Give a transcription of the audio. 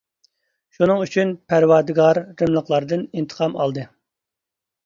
شۇنىڭ ئۈچۈن پەرۋەردىگار رىملىقلاردىن ئىنتىقام ئالدى.